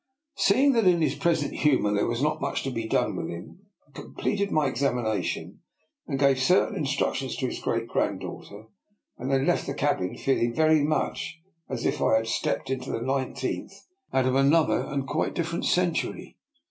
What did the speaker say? Seeing that in his present humour there was not much to be done with him, I com pleted my examination, gave certain instruc tions to his great granddaughter, and then left the cabin, feeling very much as if I had DR. NIKOLA'S EXPERIMENT. 125 stepped into the nineteenth out of another and quite different century.